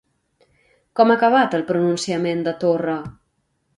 Com ha acabat el pronunciament de Torra?